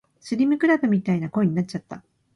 スリムクラブみたいな声になっちゃった